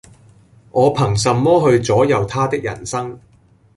我憑什麼去左右他的人生